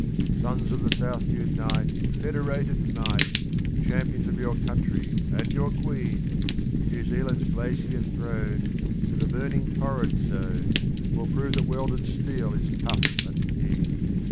Sons of the South, unite In federated might, The Champions of your Country and your Queen; From New Zealand's glacier throne To the burning Torrid Zone, We'll prove that welded steel is tough and keen.